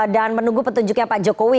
dan menunggu petunjuknya pak jokowi